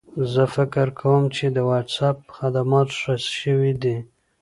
زه فکر کوم چې د وټساپ خدمات ښه شوي دي.